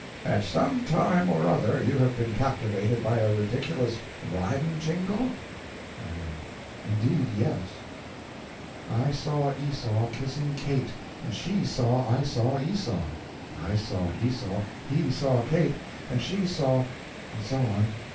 At some time or other you have been captivated by a ridiculous rhyme jingle? Y.M. Indeed, yes! "I saw Esau kissing Kate, And she saw I saw Esau; I saw Esau, he saw Kate, And she saw—" And so on.